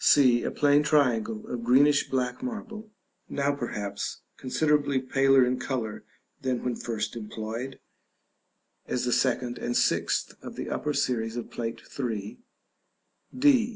c. A plain triangle of greenish black marble, now perhaps considerably paler in color than when first employed (as the second and sixth of the upper series of Plate III.). d.